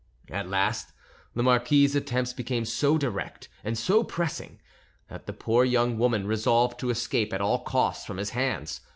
At last the marquis's attempts became so direct and so pressing, that the poor young woman resolved to escape at all costs from his hands.